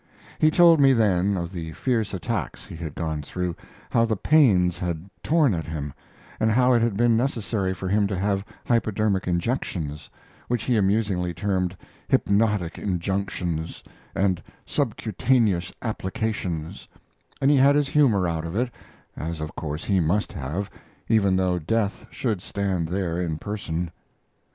He told me then of the fierce attacks he had gone through, how the pains had torn at him, and how it had been necessary for him to have hypodermic injections, which he amusingly termed "hypnotic injunctions" and "subcutaneous applications," and he had his humor out of it, as of course he must have, even though Death should stand there in person.